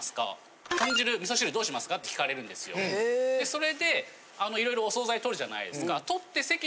それで色々お総菜取るじゃないですか。